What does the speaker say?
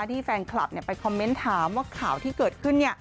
ที่แฟนคลับไปคอมเมนต์ถามว่าข่าวที่เกิดขึ้น